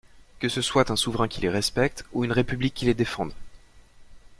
Que ce soit un souverain qui les respecte, ou une République qui les défende!